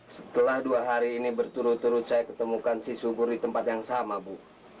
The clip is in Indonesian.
setelah dua hari ini berturut turut saya ketemukan si subur di tempat yang sama bu